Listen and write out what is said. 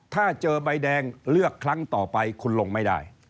ถ้าเจอใบแดงเลือกครั้งต่อไปคุณลงไม่ได้